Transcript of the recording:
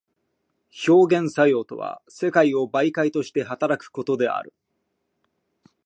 表現作用とは世界を媒介として働くことである。